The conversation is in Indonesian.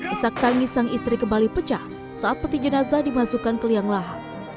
isak tangis sang istri kembali pecah saat peti jenazah dimasukkan ke liang lahat